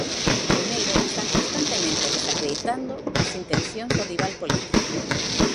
Primeiro, están constantemente desacreditando as intencións do rival político.